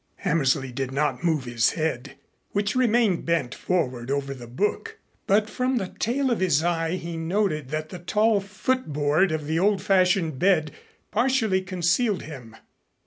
Hammersley did not move his head, which remained bent forward over the book, but from the tail of his eye he noted that the tall footboard of the old fashioned bed partially concealed him.